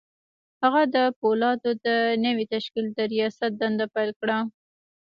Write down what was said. هغه د پولادو د نوي تشکیل د رياست دنده پیل کړه